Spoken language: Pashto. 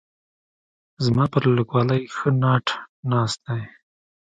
زما پر لیکوالۍ ښه ناټ ناست دی.